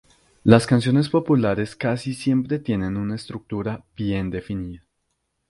Las canciones populares casi siempre tienen una estructura bien definida.